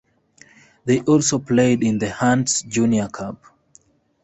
They also played in the Hants Junior Cup.